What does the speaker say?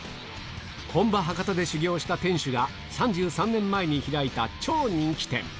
本場博多で修業した店主が３３年前に開いた超人気店。